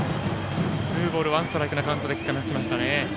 ツーボール、ワンストライクのカウントで来ましたね。